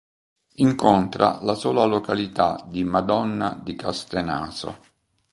Incontra la sola località di Madonna di Castenaso.